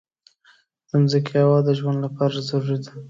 د مځکې هوا د ژوند لپاره ضروري ده.